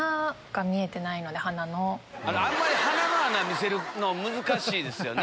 鼻の穴見せるの難しいですよね。